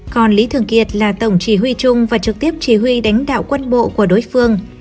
còn lý thường kiệt là tổng chỉ huy chung và trực tiếp chỉ huy đánh đạo quân bộ của đối phương